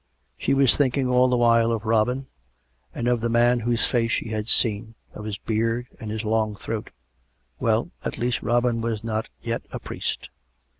She was thinking all the while of Robin, and of the man whose face she had seen, of his beard and his long throat. Well, at least, Robin was not yet a priest.